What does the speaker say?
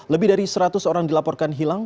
lebih dari seratus orang dilaporkan hilang